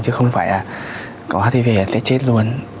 chứ không phải là có hdv sẽ chết luôn